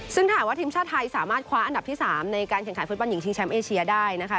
ซึ่งถามว่าทีมชาติไทยสามารถคว้าอันดับที่๓ในการแข่งขันฟุตบอลหญิงชิงแชมป์เอเชียได้นะคะ